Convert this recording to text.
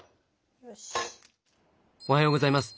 おはようございます。